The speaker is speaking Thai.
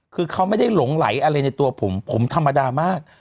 คือเขาไม่ได้หลงไหลอะไรในตัวผมผมธรรมดามาก